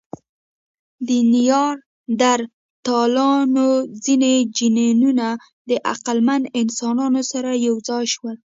د نیاندرتالانو ځینې جینونه د عقلمن انسانانو سره یو ځای شول.